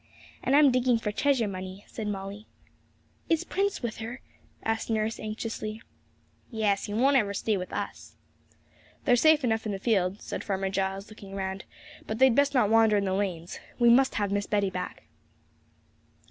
'And I'm digging for treasure money,' said Molly. 'Is Prince with her?' asked nurse anxiously. 'Yes, he won't ever stay with us.' 'They're safe enough in this field,' said Farmer Giles, looking round; 'but they'd best not wander in the lanes. We must have Miss Betty back.'